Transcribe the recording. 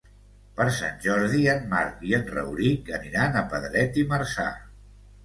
Per Sant Jordi en Marc i en Rauric aniran a Pedret i Marzà.